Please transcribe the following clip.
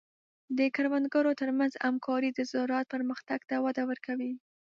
د کروندګرو تر منځ همکاري د زراعت پرمختګ ته وده ورکوي.